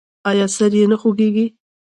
ایا سر یې نه خوږیږي؟